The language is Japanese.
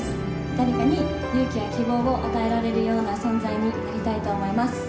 誰かに勇気や希望を与えられるような存在になりたいと思います。